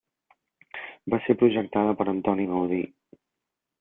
Va ser projectada per Antoni Gaudí.